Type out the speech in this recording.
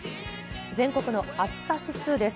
全国の暑さ指数です。